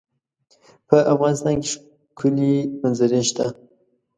په افغانستان کې ښکلي منظرې شته.